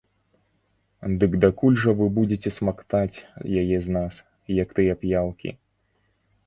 Дык дакуль жа вы будзеце смактаць яе з нас, як тыя п'яўкі!